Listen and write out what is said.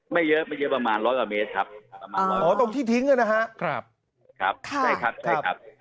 ไม่เยอะไม่เยอะประมาณร้อยกว่าเมตรครับประมาณอ๋อตรงที่ทิ้งนะครับครับใช่ครับใช่ครับ